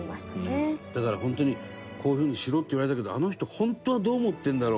だから本当に「こういう風にしろ！」って言われたけど「あの人本当はどう思ってるんだろう？」